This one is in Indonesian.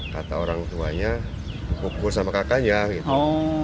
kata orang tuanya pukul sama kakaknya gitu